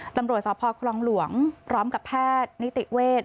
ตำรวจสพคลองหลวงพร้อมกับแพทย์นิติเวทย์